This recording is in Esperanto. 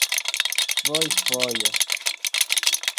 fojfoje